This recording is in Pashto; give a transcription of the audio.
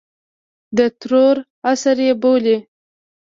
د ترور عصر یې بولي.